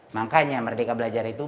makanya merdeka belajar itu